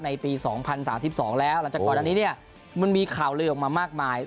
ในปี๒๐๓๒แล้วหลังจากก่อนอันนี้เนี่ยมันมีข่าวลือออกมามากมาย